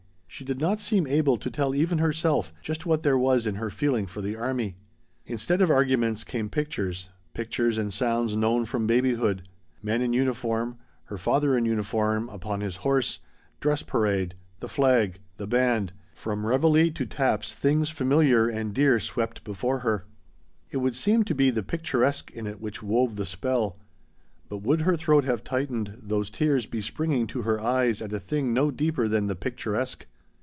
She did not seem able to tell even herself just what there was in her feeling for the army. Instead of arguments, came pictures pictures and sounds known from babyhood: Men in uniform her father in uniform, upon his horse dress parade the flag the band from reveille to taps things familiar and dear swept before her. It would seem to be the picturesque in it which wove the spell; but would her throat have tightened, those tears be springing to her eyes at a thing no deeper than the picturesque?